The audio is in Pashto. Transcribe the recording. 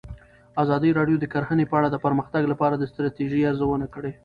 ازادي راډیو د کرهنه په اړه د پرمختګ لپاره د ستراتیژۍ ارزونه کړې.